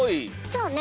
そうね。